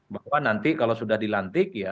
bahwa nanti kalau sudah dilantik ya